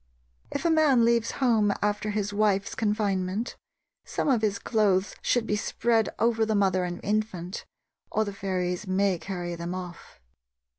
If a man leaves home after his wife's confinement, some of his clothes should be spread over the mother and infant, or the fairies may carry them off.